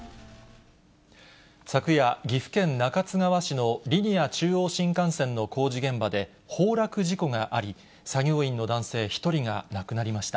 昨夜、岐阜県中津川市のリニア中央新幹線の工事現場で崩落事故があり、作業員の男性１人が亡くなりました。